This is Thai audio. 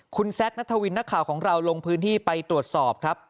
คุณแซคนัทวินนักข่าวของเราลงพื้นที่ไปตรวจสอบครับ